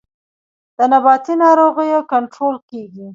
د نباتي ناروغیو کنټرول کیږي